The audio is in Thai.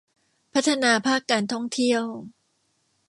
พัฒนาภาคการท่องเที่ยว